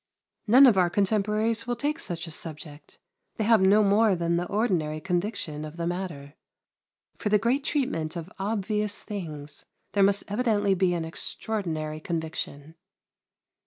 None of our contemporaries will take such a subject; they have no more than the ordinary conviction of the matter. For the great treatment of obvious things there must evidently be an extraordinary conviction.